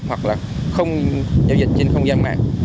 hoặc là không giao dịch trên không gian mạng